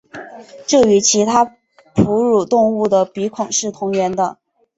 这与其他哺乳动物的鼻孔是同源的。